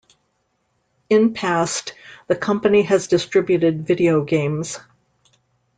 In past, the company has distributed video games.